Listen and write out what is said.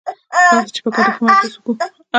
راسه چي په ګډه ښه مجلس وکو.